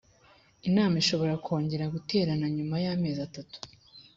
inama ishobora kongera guterana nyuma ya mezi atatu